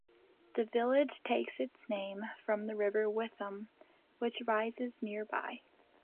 The village takes its name from the River Witham which rises nearby.